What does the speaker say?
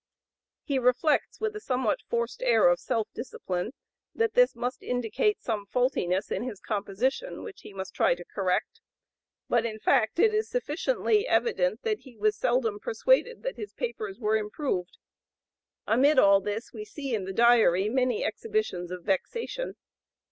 He reflects, with a somewhat forced air of self discipline, that this must indicate some faultiness in his composition which he must try to correct; but in fact it is sufficiently evident that he was seldom persuaded that his papers were improved. Amid all this we see in the Diary many exhibitions of vexation.